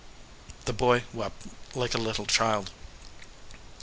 The boy wept like a little child.